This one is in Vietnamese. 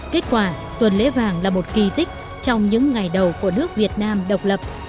kết quả tuần lễ vàng là một kỳ tích trong những ngày đầu của nước việt nam độc lập